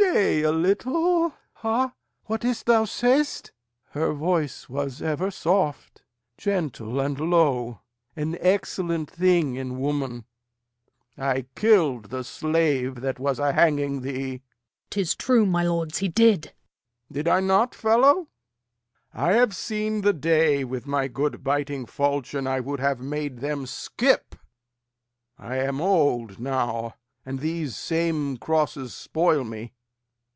stay a little. Ha! What is't thou say'st, Her voice was ever soft, Gentle, and low an excellent thing in woman. I kill'd the slave that was a hanging thee. Capt. 'Tis true, my lords, he did. Lear. Did I not, fellow? I have seen the day, with my good biting falchion I would have made them skip. I am old now, And these same crosses spoil me.